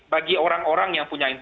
bergrbek dengan memang